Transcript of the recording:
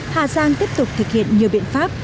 hà giang tiếp tục thực hiện nhiều biện pháp